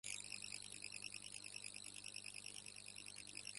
Samarqanddagi qadrdonlarim bilan uchrashdim.